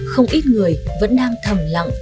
không ít người vẫn đang thầm lặng